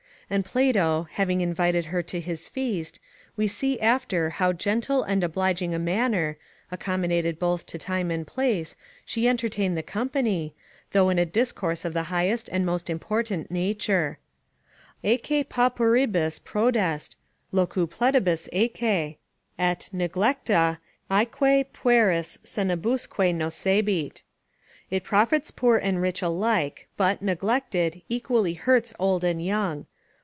And Plato, having invited her to his feast, we see after how gentle and obliging a manner, accommodated both to time and place, she entertained the company, though in a discourse of the highest and most important nature: "Aeque pauperibus prodest, locupletibus aeque; Et, neglecta, aeque pueris senibusque nocebit." ["It profits poor and rich alike, but, neglected, equally hurts old and young."